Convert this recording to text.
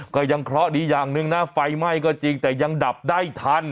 ก็ยังเคราะห์ดีอย่างหนึ่งนะไฟไหม้ก็จริงแต่ยังดับได้ทัน